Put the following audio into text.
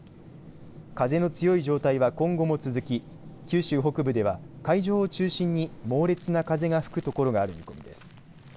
風の強い状態は今後も続き九州北部では海上を中心に猛烈な風が吹くところがある見込みです。